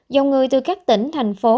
dòng người từ các tỉnh thành phố